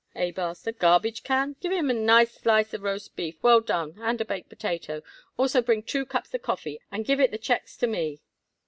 Abe asked. "A garbage can? Give him a nice slice of roast beef well done and a baked potato. Also bring two cups of coffee and give it the checks to me."